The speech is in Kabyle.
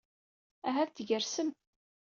Ahat tgersem.